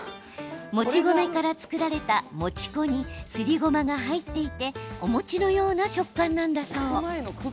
もち米から作られた、もち粉にすりごまが入っていてお餅のような食感なんだそう。